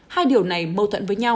hai điều này mâu thuận với nhau